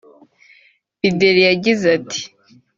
Bideri yagize ati